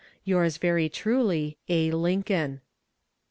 Yours, very truly, A. LINCOLN.